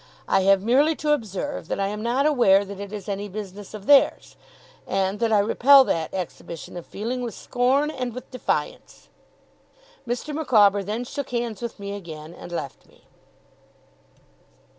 I have merely to observe, that I am not aware that it is any business of theirs, and that I repel that exhibition of feeling with scorn, and with defiance!' Mr. Micawber then shook hands with me again, and left me.